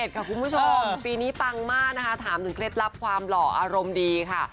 คุณผู้ชมปีนี้ปังมากนะคะถามถึงเคล็ดลับความหล่ออารมณ์ดีค่ะ